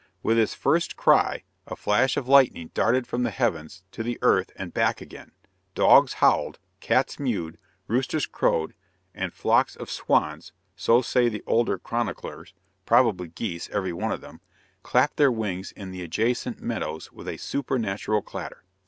With his first cry, a flash of lightning darted from the heavens to the earth and back again, dogs howled, cats mewed, roosters crowed, and flocks of swans, so say the olden chroniclers probably geese, every one of them clapped their wings in the adjacent meadows with a supernatural clatter.